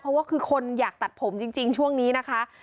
เพราะว่าคือคนอยากตัดผมจริงช่วงนี้นะคะ